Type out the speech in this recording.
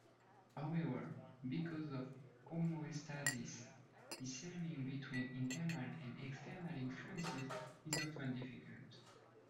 However, because of homeostasis, discerning between internal and external influences is often difficult.